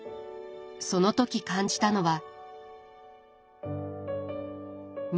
その時感じたのは。